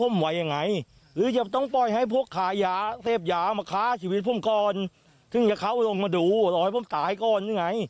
ไม่ได้ให้ผมตายก่อน